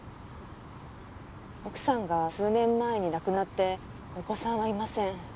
奥さんが数年前に亡くなってお子さんはいません。